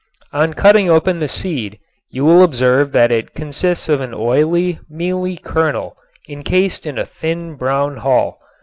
On cutting open the seed you will observe that it consists of an oily, mealy kernel encased in a thin brown hull.